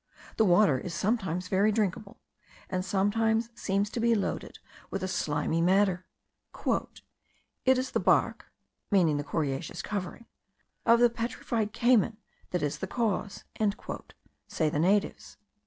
The water is sometimes very drinkable, and sometimes seems to be loaded with a slimy matter. "It is the bark (meaning the coriaceous covering) of the putrefied cayman that is the cause," say the natives.